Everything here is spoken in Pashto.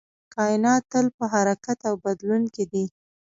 کائنات تل په حرکت او بدلون کې دی